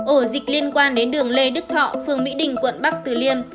ổ dịch liên quan đến đường lê đức thọ phường mỹ đình quận bắc từ liêm